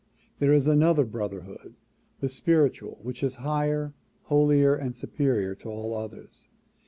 There is another brotherhood, the spiritual, which is higher, holier and superior to all others.